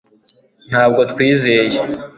ntabwo twizeye